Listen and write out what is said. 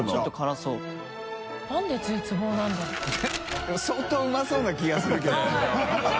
任相当うまそうな気がするけどはい。